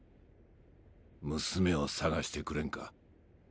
娘を捜してくれんか。